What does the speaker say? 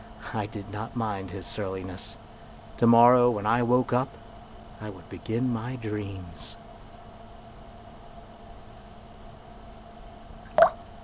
I did not mind his surliness ; to morrow when I woke up, I would begin my dreams.